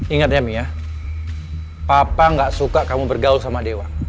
ingat ya mi ya papa gak suka kamu bergaul sama dewa